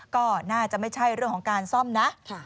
ก็น่าจะไม่ใช่เรื่องของการซ่อมนะ